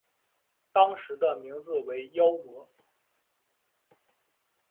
当时的名字为妖魔。